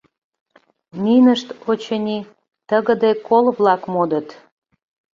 Нинышт, очыни, тыгыде кол-влак модыт.